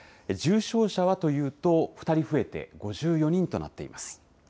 重症者はというと２人増えて５４人となっています。